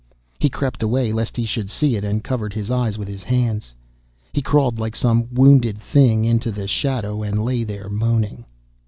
He crept away, lest he should see it, and covered his eyes with his hands. He crawled, like some wounded thing, into the shadow, and lay there moaning.